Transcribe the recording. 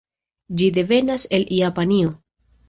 Ĝi devenas el Japanio.